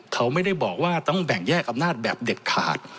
เขาไม่ได้บอกว่าต้องแบ่งแยกอำนาจแบบเด็ดขาด